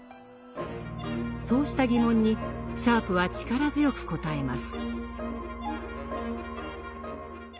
そうした疑問にシャープは力強く答えます。